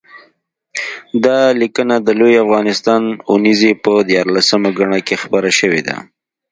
دا لیکنه د لوی افغانستان اوونیزې په یارلسمه ګڼه کې خپره شوې ده